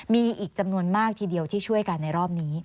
มีอีกจำนวนมากทีเดียวที่ช่วยกันในรอบนี้